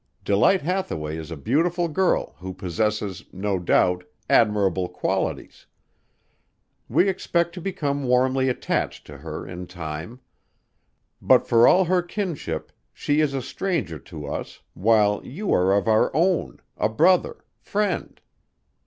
Delight Hathaway is a beautiful girl who possesses, no doubt, admirable qualities. We expect to become warmly attached to her in time. But for all her kinship she is a stranger to us while you are of our own a brother, friend."